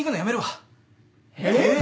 えっ？